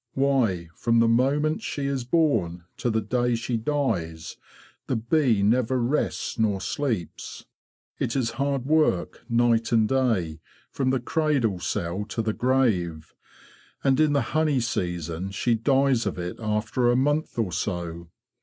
Why, from the moment she is born to the day she dies the bee never rests nor sleeps! It is hard work night and day, from the cradle cell to the grave; and in the honey season she dies of it after a month or so.